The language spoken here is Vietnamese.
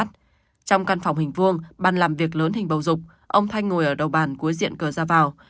trong căn phòng hình vuông bàn làm việc lớn hình bầu dục ông thanh ngồi ở đầu bàn cuối diện cửa ra vào